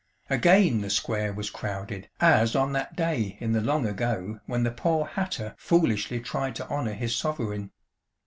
Again the square was crowded, as on that day in the long ago when the poor hatter foolishly tried to honour his sovereign.